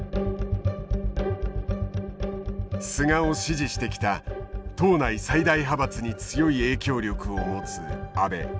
菅を支持してきた党内最大派閥に強い影響力を持つ安倍